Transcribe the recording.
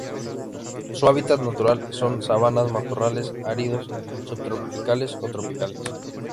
Su hábitat natural son: sabanas, matorrales áridos subtropicales o tropicales.